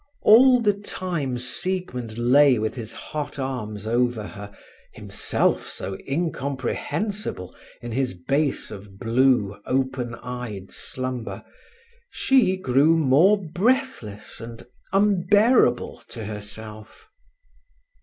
All the time Siegmund lay with his hot arms over her, himself so incomprehensible in his base of blue, open eyed slumber, she grew more breathless and unbearable to herself.